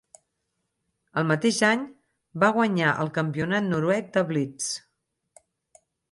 El mateix any, va guanyar el campionat noruec de blitz.